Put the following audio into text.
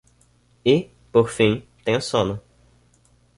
E, por fim, tenho sono